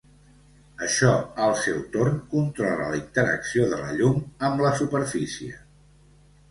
Això, al seu torn, controla la interacció de la llum amb la superfície.